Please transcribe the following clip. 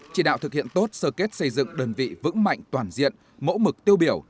chỉ đạo thực hiện tốt sơ kết xây dựng đơn vị vững mạnh toàn diện mẫu mực tiêu biểu